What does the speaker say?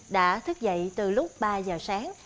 đã thức dậy từ lúc ba h sáng